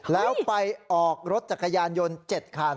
แล้วไปออกรถจักรยานยนต์๗คัน